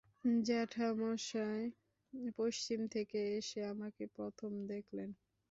জ্যেঠামশায় পশ্চিম থেকে এসে আমাকে প্রথম দেখলেন।